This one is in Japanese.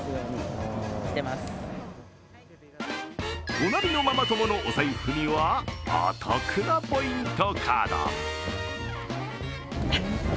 隣のママ友のお財布にはお得なポイントカード。